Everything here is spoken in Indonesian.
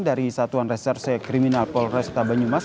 dari satuan reserse kriminal polresta banyumas